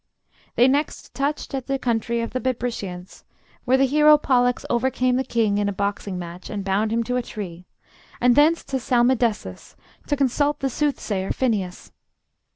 They next touched at the country of the Bebrycians, where the hero Pollux overcame the king in a boxing match and bound him to a tree; and thence to Salmydessus, to consult the soothsayer Phineus.